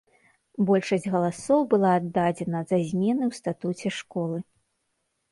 Большасць галасоў была аддадзена за змены ў статуце школы.